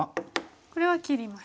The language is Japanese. これは切ります。